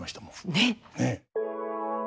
ねえ。